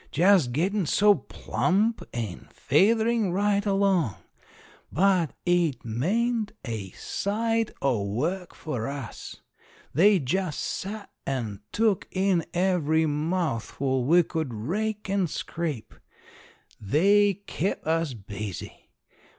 Just gettin' so plump and featherin' right along. But it meant a sight o' work for us. They just sat and took in every mouthful we could rake and scrape. They kep' us busy.